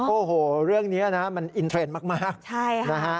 โอ้โหเรื่องนี้นะมันอินเทรนด์มากใช่ค่ะนะฮะ